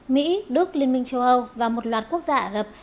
mỹ đức liên minh châu âu và một loạt quốc gia ả rập